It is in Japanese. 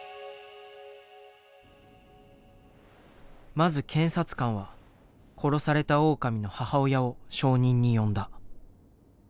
まず検察官は殺されたオオカミの母親を証人に呼んだ。